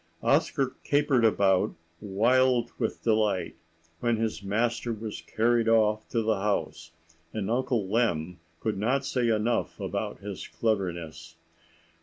Oscar capered about, wild with delight, when his master was carried off to the house, and Uncle Lem could not say enough about his cleverness.